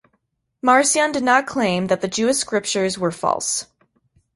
Marcion did not claim that the Jewish scriptures were false.